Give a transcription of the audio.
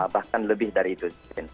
bahkan lebih dari itu